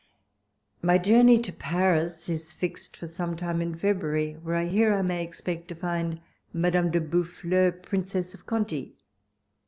My journey to Paris is fixed for some time in February, wliere I hear I may expect to find Madame de Boufflers, Princess of Conti.